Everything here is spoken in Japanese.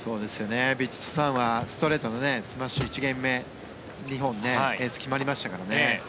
ヴィチットサーンはストレートのスマッシュ１ゲーム目、２本エース決まりましたからね。